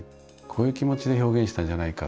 こういう気持ちで表現したんじゃないか？